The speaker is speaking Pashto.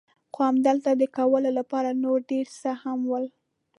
خو همالته د کولو لپاره نور ډېر څه هم ول.